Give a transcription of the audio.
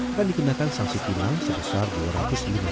akan dikenakan sanksi final sebesar dua ratus lima puluh juta dolar